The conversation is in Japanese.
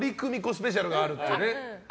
スペシャルがあるって。